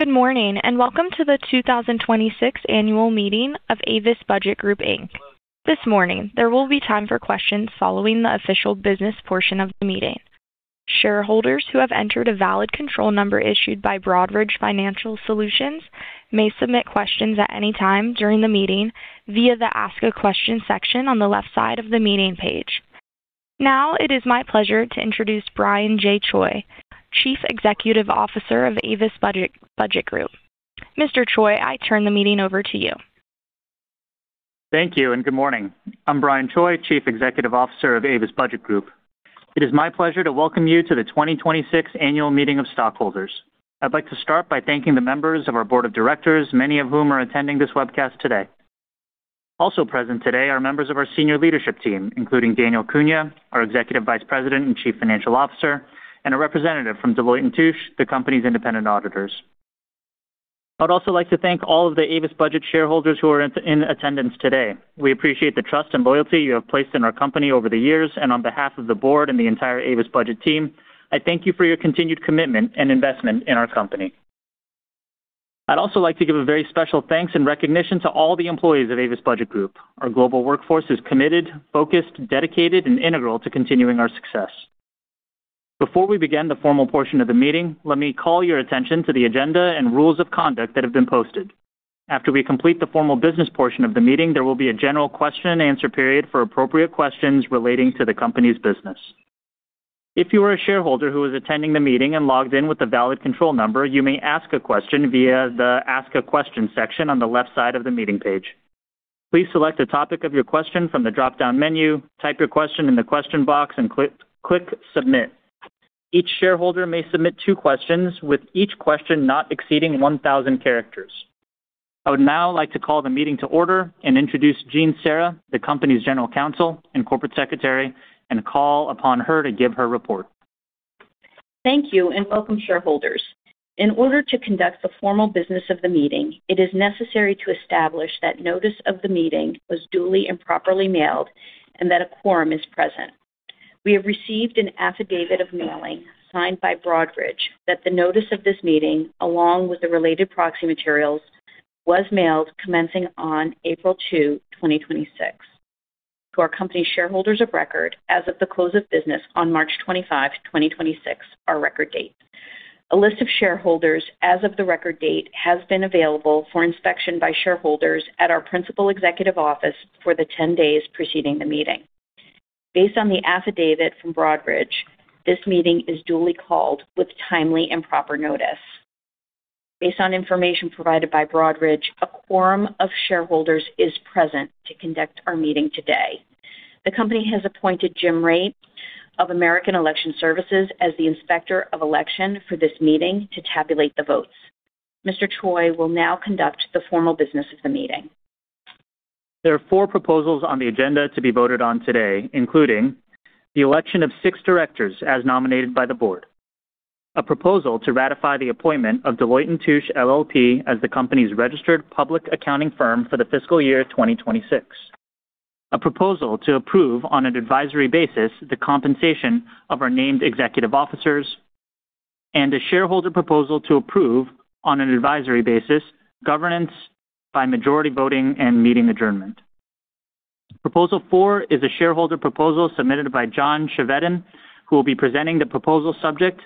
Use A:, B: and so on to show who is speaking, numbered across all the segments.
A: Good morning, and welcome to the 2026 annual meeting of Avis Budget Group, Inc. This morning, there will be time for questions following the official business portion of the meeting. Shareholders who have entered a valid control number issued by Broadridge Financial Solutions may submit questions at any time during the meeting via the Ask a Question section on the left side of the meeting page. It is my pleasure to introduce Brian J. Choi, Chief Executive Officer of Avis Budget Group. Mr. Choi, I turn the meeting over to you.
B: Thank you, and good morning. I'm Brian Choi, Chief Executive Officer of Avis Budget Group. It is my pleasure to welcome you to the 2026 Annual Meeting of Stockholders. I'd like to start by thanking the members of our board of directors, many of whom are attending this webcast today. Also present today are members of our senior leadership team, including Daniel Cunha, our Executive Vice President and Chief Financial Officer, and a representative from Deloitte & Touche, the company's independent auditors. I'd also like to thank all of the Avis Budget shareholders who are in attendance today. We appreciate the trust and loyalty you have placed in our company over the years, and on behalf of the board and the entire Avis Budget team, I thank you for your continued commitment and investment in our company. I'd also like to give a very special thanks and recognition to all the employees of Avis Budget Group. Our global workforce is committed, focused, dedicated, and integral to continuing our success. Before we begin the formal portion of the meeting, let me call your attention to the agenda and rules of conduct that have been posted. After we complete the formal business portion of the meeting, there will be a general question and answer period for appropriate questions relating to the company's business. If you are a shareholder who is attending the meeting and logged in with a valid control number, you may ask a question via the Ask a Question section on the left side of the meeting page. Please select the topic of your question from the drop-down menu, type your question in the question box, and click Submit. Each shareholder may submit two questions, with each question not exceeding 1,000 characters. I would now like to call the meeting to order and introduce Jean Sera, the company's General Counsel and Corporate Secretary, and call upon her to give her report.
C: Thank you, and welcome, shareholders. In order to conduct the formal business of the meeting, it is necessary to establish that notice of the meeting was duly and properly mailed and that a quorum is present. We have received an affidavit of mailing signed by Broadridge that the notice of this meeting, along with the related proxy materials, was mailed commencing on April 2, 2026, to our company shareholders of record as of the close of business on March 25, 2026, our record date. A list of shareholders as of the record date has been available for inspection by shareholders at our principal executive office for the 10 days preceding the meeting. Based on the affidavit from Broadridge, this meeting is duly called with timely and proper notice. Based on information provided by Broadridge, a quorum of shareholders is present to conduct our meeting today. The company has appointed Jim Raitt of American Election Services as the Inspector of Election for this meeting to tabulate the votes. Mr. Choi will now conduct the formal business of the meeting.
B: There are four proposals on the agenda to be voted on today, including the election of six directors as nominated by the board, a proposal to ratify the appointment of Deloitte & Touche LLP as the company's registered public accounting firm for the fiscal year 2026, a proposal to approve, on an advisory basis, the compensation of our named executive officers, and a shareholder proposal to approve, on an advisory basis, governance by majority voting and meeting adjournment. Proposal four is a shareholder proposal submitted by John Chevedden, who will be presenting the proposal subject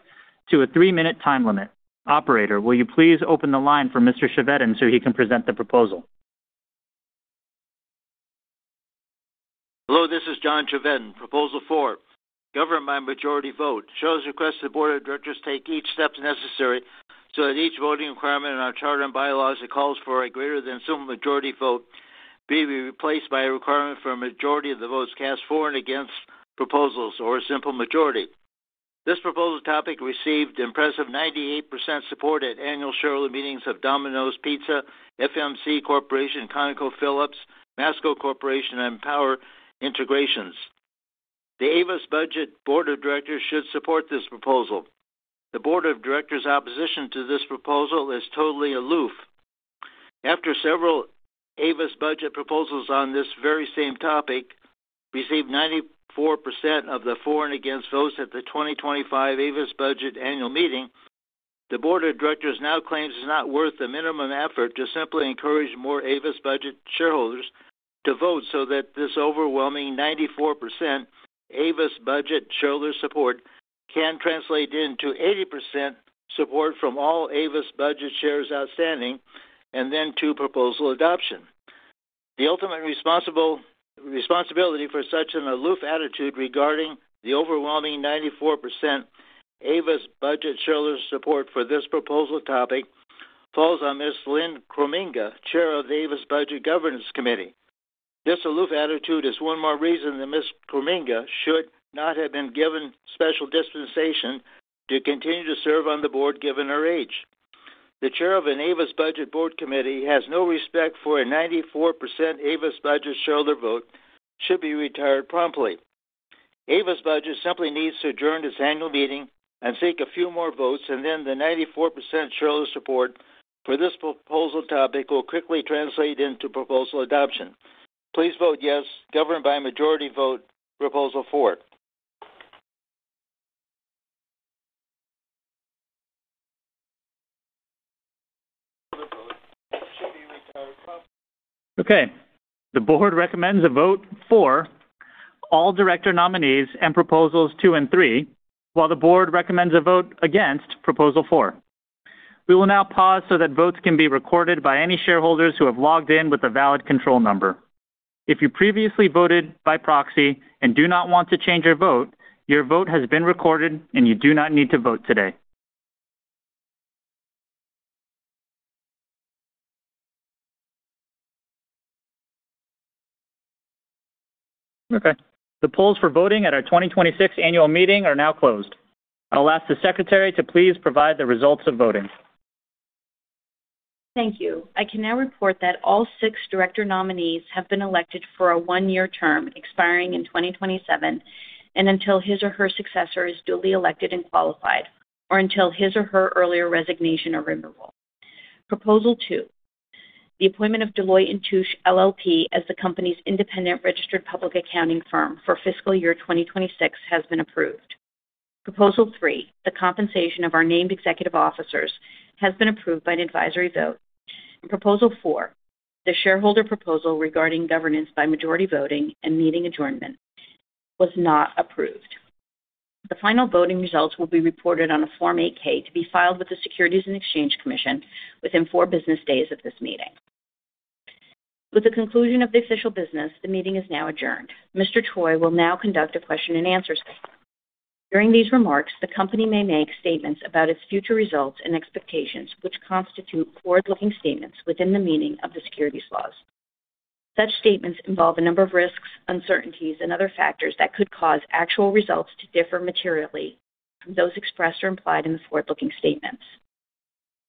B: to a three-minute time limit. Operator, will you please open the line for Mr. Chevedden so he can present the proposal?
D: Hello, this is John Chevedden. Proposal Four, Govern by Majority Vote. Shares request the Board of Directors take each step necessary so that each voting requirement in our charter and bylaws that calls for a greater than simple majority vote be replaced by a requirement for a majority of the votes cast for and against proposals or a simple majority. This proposal topic received impressive 98% support at annual shareholder meetings of Domino's Pizza, FMC Corporation, ConocoPhillips, Masco Corporation, and Power Integrations. The Avis Budget Board of Directors should support this proposal. The Board of Directors' opposition to this proposal is totally aloof. After several Avis Budget proposals on this very same topic received 94% of the for and against votes at the 2025 Avis Budget annual meeting, the board of directors now claims it's not worth the minimum effort to simply encourage more Avis Budget shareholders to vote so that this overwhelming 94% Avis Budget shareholder support can translate into 80% support from all Avis Budget shares outstanding, and then to proposal adoption. The ultimate responsibility for such an aloof attitude regarding the overwhelming 94% Avis Budget shareholder support for this proposal topic falls on Ms. Lynn Krominga, Chair of the Avis Budget Governance Committee. This aloof attitude is one more reason that Ms. Krominga should not have been given special dispensation to continue to serve on the board, given her age. The chair of an Avis Budget board committee has no respect for a 94% Avis Budget shareholder vote should be retired promptly. Avis Budget simply needs to adjourn this annual meeting and take a few more votes, and then the 94% shareholder support for this proposal topic will quickly translate into proposal adoption. Please vote yes, govern by majority vote, proposal four.
B: Okay. The board recommends a vote for all director nominees and Proposals Two and Three, while the board recommends a vote against Proposal Four. We will now pause so that votes can be recorded by any shareholders who have logged in with a valid control number. If you previously voted by proxy and do not want to change your vote, your vote has been recorded, and you do not need to vote today. Okay. The polls for voting at our 2026 annual meeting are now closed. I'll ask the secretary to please provide the results of voting.
C: Thank you. I can now report that all six director nominees have been elected for a one-year term expiring in 2027, and until his or her successor is duly elected and qualified, or until his or her earlier resignation or removal. Proposal Two, the appointment of Deloitte & Touche LLP as the company's independent registered public accounting firm for fiscal year 2026 has been approved. Proposal Three, the compensation of our named executive officers has been approved by an advisory vote. Proposal Four, the shareholder proposal regarding governance by majority voting and meeting adjournment was not approved. The final voting results will be reported on a Form 8-K to be filed with the Securities and Exchange Commission within four business days of this meeting. With the conclusion of the official business, the meeting is now adjourned. Mr. Choi will now conduct a question-and-answer session. During these remarks, the company may make statements about its future results and expectations, which constitute forward-looking statements within the meaning of the securities laws. Such statements involve a number of risks, uncertainties, and other factors that could cause actual results to differ materially from those expressed or implied in the forward-looking statements.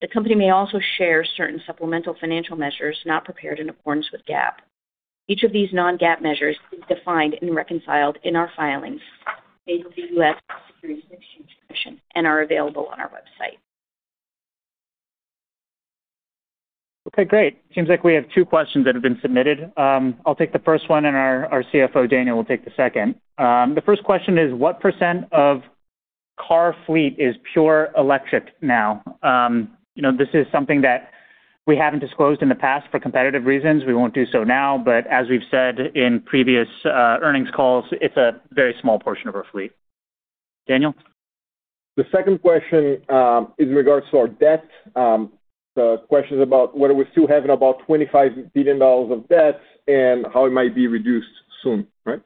C: The company may also share certain supplemental financial measures not prepared in accordance with GAAP. Each of these non-GAAP measures is defined and reconciled in our filings made with the U.S. Securities and Exchange Commission and are available on our website.
B: Okay, great. Seems like we have two questions that have been submitted. I'll take the first one, and our CFO, Daniel, will take the second. The first question is, what percent of car fleet is pure electric now? This is something that we haven't disclosed in the past for competitive reasons. We won't do so now, but as we've said in previous earnings calls, it's a very small portion of our fleet. Daniel?
E: The second question is in regards to our debt. The question is about whether we still have about $25 billion of debt and how it might be reduced soon, right?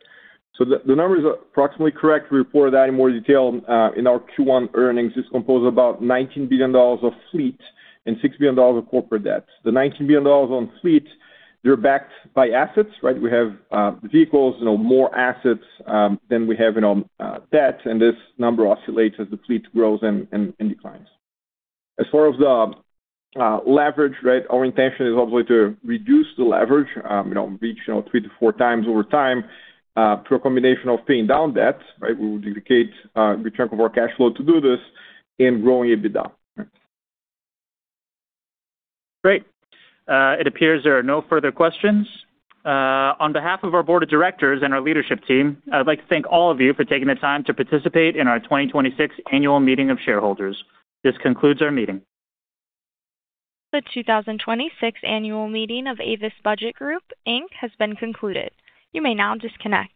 E: The number is approximately correct. We report that in more detail in our Q1 earnings. It's composed of about $19 billion of fleet and $6 billion of corporate debt. The $19 billion on fleet, they're backed by assets, right? We have the vehicles, more assets than we have in debt, and this number oscillates as the fleet grows and declines. As far as the leverage, right, our intention is obviously to reduce the leverage, reach 3x-4x over time, through a combination of paying down debt, right, we will dedicate a good chunk of our cash flow to do this, and growing EBITDA.
B: Great. It appears there are no further questions. On behalf of our board of directors and our leadership team, I'd like to thank all of you for taking the time to participate in our 2026 annual meeting of shareholders. This concludes our meeting.
A: The 2026 annual meeting of Avis Budget Group, Inc. has been concluded. You may now disconnect.